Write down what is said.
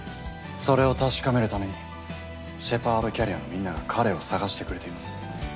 それを確かめるためにシェパードキャリアのみんなが彼を捜してくれています。